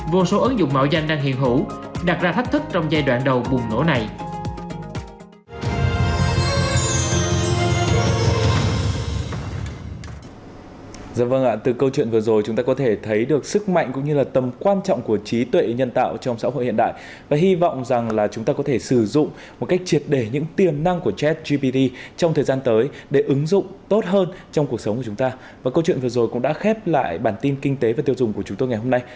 vô số ứng dụng mạo danh đang hiện hữu đặt ra thách thức trong giai đoạn đầu bùng nổ này